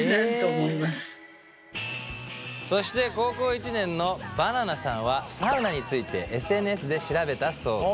そして高校１年のバナナさんはサウナについてＳＮＳで調べたそうで。